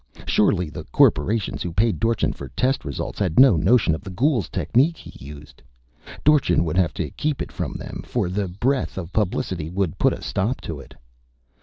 Surely the corporations who paid Dorchin for test results had no notion of the ghoul's technique he used; Dorchin would have to keep it from them, for the breath of publicity would put a stop to it.